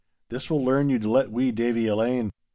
This will learn you to let wee Davie alane!